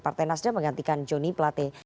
partai nasdem menggantikan joni plate